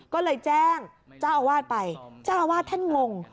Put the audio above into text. ก็เลยแจ้งเจ้าอาวาสไปเจ้าอาวาสท่านงง